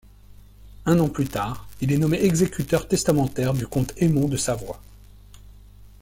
Un an plus tard, il est nommé exécuteur testamentaire du comte Aymon de Savoie.